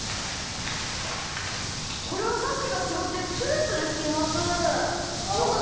これはさっきと違ってツルツルしています。